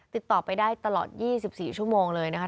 ติดต่อไปได้ตลอด๒๔ชั่วโมงเลยนะคะ